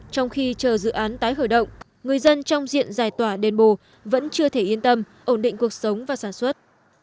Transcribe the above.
trong khi chờ dự án tái khởi động người dân trong diện giải tỏa đền bù vẫn chưa thể yên tâm ổn định cuộc sống và sản xuất